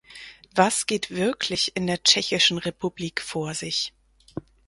Was geht wirklich in der Tschechischen Republik vor sich?